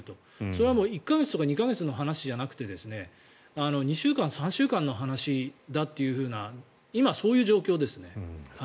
それはもう１か月とか２か月の話じゃなくて２週間、３週間の話だという今、そういう状況ですね。